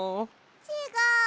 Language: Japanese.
ちがう！